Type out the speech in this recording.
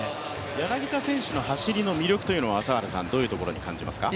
柳田選手の走りの魅力はどういうところに感じられますか？